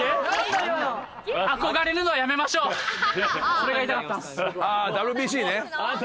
それが言いたかったんす。